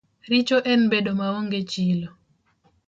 Richo en bedo maonge chilo.